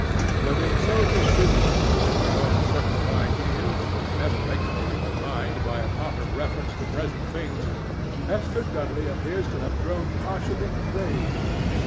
Living so continually in her own circle of ideas, and never regulating her mind by a proper reference to present things, Esther Dudley appears to have grown partially crazed.